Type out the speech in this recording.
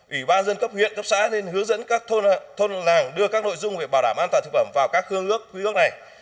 ủy ban dân cấp huyện cấp xã nên hướng dẫn các thôn làng đưa các nội dung về bảo đảm an toàn thực phẩm vào các hương ước quy ước này